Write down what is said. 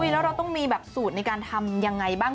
แล้วเราต้องมีแบบสูตรในการทำยังไงบ้าง